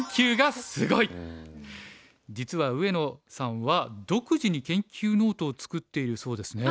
実は上野さんは独自に研究ノートを作っているそうですね。